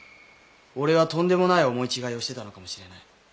俺はとんでもない思い違いをしてたのかもしれない。